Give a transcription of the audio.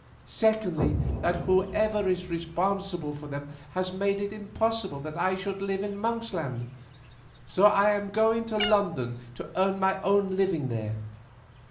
Secondly, that whoever is responsible for them has made it impossible that I should live in Monksland, so I am going to London to earn my own living there.